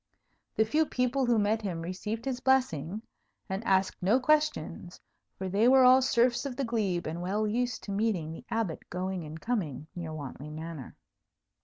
The few people who met him received his blessing, and asked no questions; for they were all serfs of the glebe, and well used to meeting the Abbot going and coming near Wantley Manor.